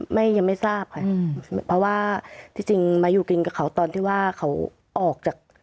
ยังไม่ยังไม่ทราบค่ะเพราะว่าที่จริงมาอยู่กินกับเขาตอนที่ว่าเขาออกจาก